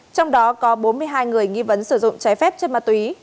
trong đó có bốn mươi hai người nghi vấn sử dụng trái phép chất ma túy